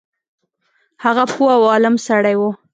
هغه پوه او عالم سړی وو.